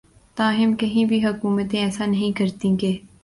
تاہم کہیں بھی حکومتیں ایسا نہیں کرتیں کہ